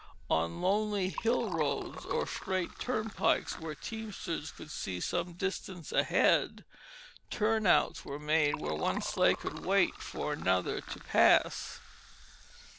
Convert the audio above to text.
On lonely hill roads or straight turnpikes, where teamsters could see some distance ahead, turnouts were made where one sleigh could wait for another to pass.